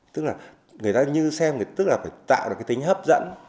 tức là người ta như xem thì tức là phải tạo được cái tính hấp dẫn